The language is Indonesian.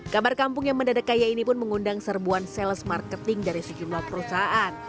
kabar kampung yang mendadak kaya ini pun mengundang serbuan sales marketing dari sejumlah perusahaan